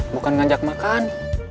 bukan ngajak makan